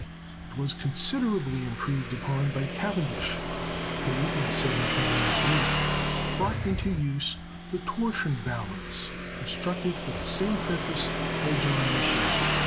It was considerably improved upon by Cavendish, who, in 1798, brought into use the "torsion balance" constructed for the same purpose by John Michell.